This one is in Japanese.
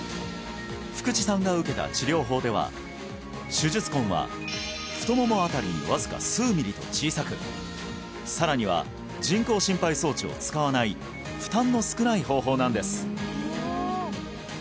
福地さんが受けた治療法では手術痕はと小さくさらには人工心肺装置を使わない負担の少ない方法なんです